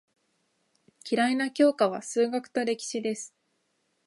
嫌いな教科は数学と歴史です。